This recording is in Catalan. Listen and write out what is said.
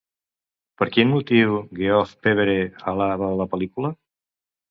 Per quin motiu Geoff Pevere alaba la pel·lícula?